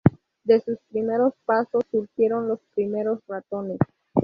De sus primeros pasos surgieron los primeros ratones.